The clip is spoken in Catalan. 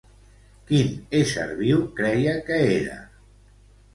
Quin ésser viu creia que era?